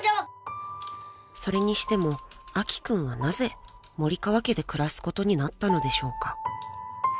［それにしても明希君はなぜ森川家で暮らすことになったのでしょうか］